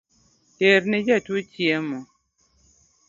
Terne jatuo chiemo